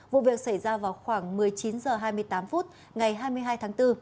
vụ việc xảy ra vào khoảng một mươi chín h hai mươi tám phút ngày hai mươi hai tháng bốn